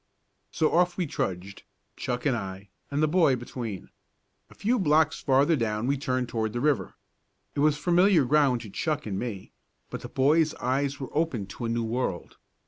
So off we trudged, Chuck and I, and the boy between. A few blocks farther down we turned toward the river. It was familiar ground to Chuck and me but the boy's eyes were opened to a new world.